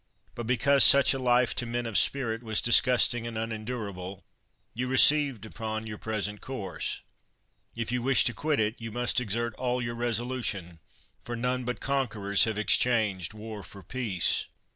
But because such a life, to men of spirit, was disgusting and unendurable, you received upon your present course. If you wish to quit it, you must exert all your resolution, for none but conquerors have exchanged war for peace.